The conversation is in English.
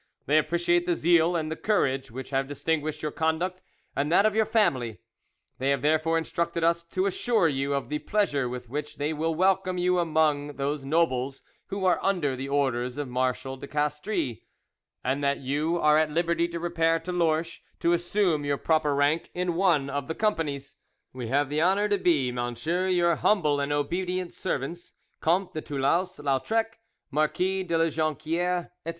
They appreciate the zeal and the courage which have distinguished your conduct and that of your family; they have therefore instructed us to assure you of the pleasure with which they will welcome you among those nobles who are under the orders of Marshal de Castries, and that you are at liberty to repair to Lorch to assume your proper rank in one of the companies. "We have the honour to be, monsieur, your humble and obedient servants, "COMTE DE TOULOUSE LAUTREC "MARQUIS DE LA JONQUIERE "ETC."